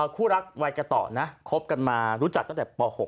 คู่รักวัยกระต่อนะคบกันมารู้จักตั้งแต่ป๖